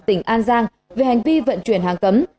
tỉnh an giang về hành vi vận chuyển hàng cấm